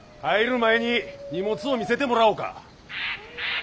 入る前に荷物を見せてもらおうか。